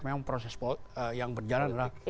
memang proses yang berjalan adalah